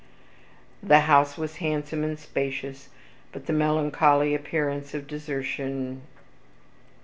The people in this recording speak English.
........ The house was handsome and spacious, but the melancholy appearance of desertion